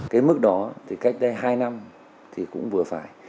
cái mức đó thì cách đây hai năm thì cũng vừa phải